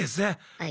はい。